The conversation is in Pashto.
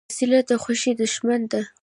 وسله د خوښۍ دښمن ده